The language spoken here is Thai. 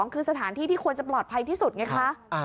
คือสถานที่ที่ควรจะปลอดภัยที่สุดไงคะ